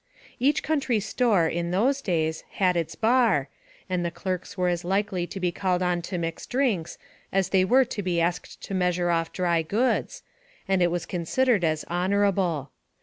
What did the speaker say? Each country store, in those days, had its bar, and the clerks were as likely to be called on to mix drinks, as they were to be asked to measure off dry goods, and it was considered as honorable.